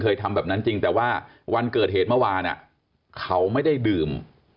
ทำแบบนั้นจริงแต่ว่าวันเกิดเหตุเมื่อวานเขาไม่ได้ดื่ม